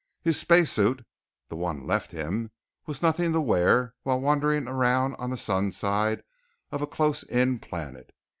His spacesuit the one they left him was nothing to wear while wandering around on the sunside of a close in planet.